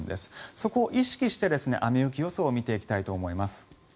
そこを意識して雨・雪予想を見ていきたいと思います。